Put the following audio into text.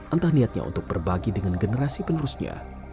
entah niatnya untuk berbagi dengan generasi penerusnya